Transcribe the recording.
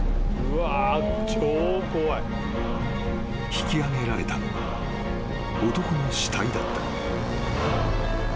［引き揚げられたのは男の死体だった］